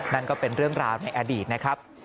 นั่นก็เป็นเรื่องราวในอดีตนะครับ